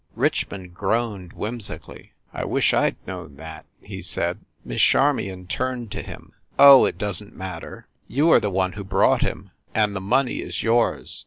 Richmond groaned whimsically. "I wish I d known that !" he said. Miss Charmion turned to him. "Oh, it doesn t matter. You are the one who brought him, and the money is yours.